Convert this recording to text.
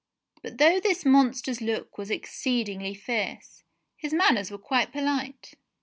But though this' monster's look was exceedingly fierce, his manners were quite polite.